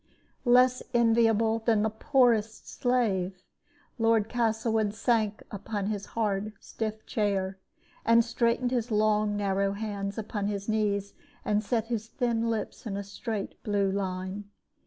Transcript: Less enviable than the poorest slave, Lord Castlewood sank upon his hard stiff chair, and straightened his long narrow hands upon his knees, and set his thin lips in straight blue lines.